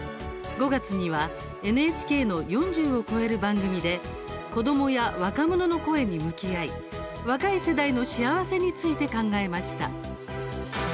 ５月にはＮＨＫの４０を超える番組で子どもや若者の声に向き合い若い世代の幸せについて考えました。